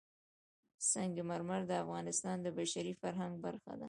سنگ مرمر د افغانستان د بشري فرهنګ برخه ده.